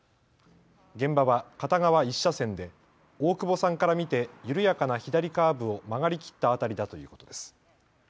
現場は片側１車線で大久保さんから見て緩やかな左カーブを曲がりきった辺りだということです。